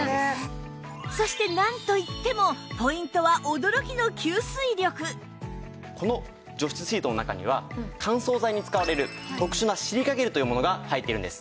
そしてなんといってもポイントはこの除湿シートの中には乾燥剤に使われる特殊なシリカゲルという物が入っているんです。